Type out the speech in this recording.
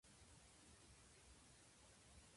自然の景色が清らかで澄んでいて美しいこと。